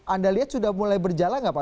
anda lihat sudah mulai berjalan nggak pak